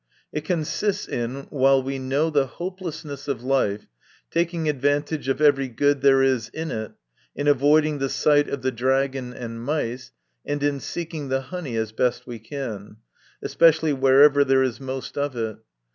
It consists in, while we know the hopelessness of life, taking advantage of every good there is in it, in avoiding the sight of the dragon and mice, and in seeking the honey as best we can, especially wherever there is most of it.